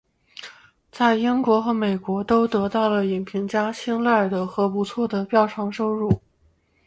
在英国和美国都得到了影评家青睐和不错的票房收入。